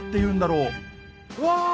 うわ！